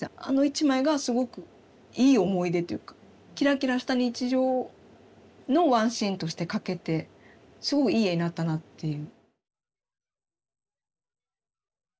あの一枚がすごくいい思い出というかキラキラした日常のワンシーンとして描けてすごいいい絵になったなっていう。